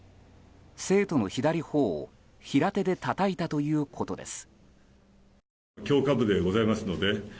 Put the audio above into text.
生徒の左頬を平手でたたいたということです。